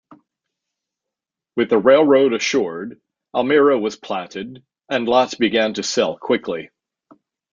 With the railroad assured, Almira was platted and lots begin to sell quickly.